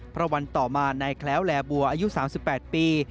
เพราะวันต่อมานายแคล้วแลบัวอายุ๓๘ปี